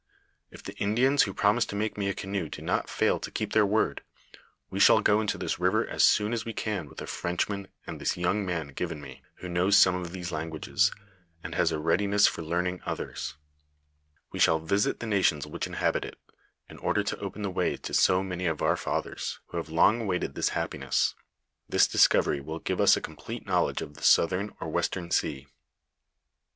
If the Indians who promise to make me a canoe do not fail to keep their word, we shall go into this river as soon as we can with a Frenchman and this young man given me, who knows some of these languages, and has a readiness for learning others ; we shall visit the nations which inhabit it, in order to open the way to so many of our fathers, who have long awaited this happiness. This discovery will give US a complete knowledge of the southern or western sea.